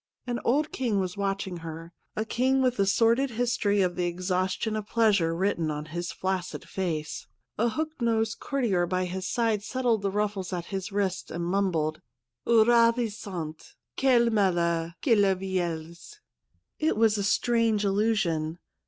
An old king was watching her, a king with the sordid history of the exhaustion of pleasure written on his flaccid face. A hook nosed 50 THE MOON SLAVE courtier by his side settled the ruffles at his wrists and mumbled, ' Ravissant ! Quel malheur que la vieillesse !' It was a strange illu sion.